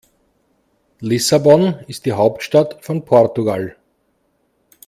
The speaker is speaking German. Lissabon ist die Hauptstadt von Portugal.